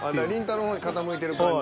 の方に傾いてる感じ。